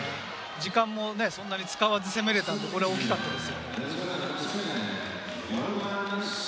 時間もそんなに使わず攻められたので、これは大きかったですよ。